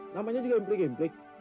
namanya juga implik implik